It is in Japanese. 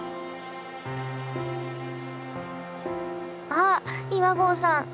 あっ岩合さん